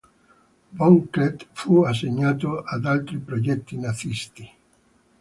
Von Klempt fu assegnato ad altri progetti nazisti.